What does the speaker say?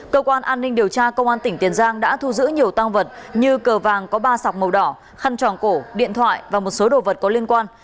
cơ quan an ninh điều tra công an tỉnh tiền giang đã thu giữ nhiều tăng vật như cờ vàng có ba sọc màu đỏ khăn tròng cổ điện thoại và một số đồ vật có liên quan